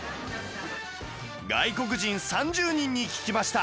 外国人３０人に聞きました